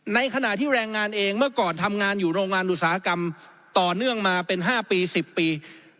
ในขณะที่แรงงานเองเมื่อก่อนทำงานอยู่โรงงานอุตสาหกรรมต่อเนื่องมาเป็น๕ปี๑๐ปี